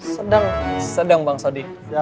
sedang sedang bang sadiq